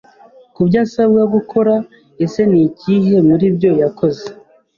kubyo asabwa gukora ese nikihe muribyo yakoze